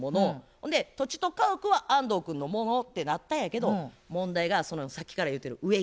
ほんで土地と家屋は安藤君のものってなったんやけど問題がそのさっきから言うてる植木。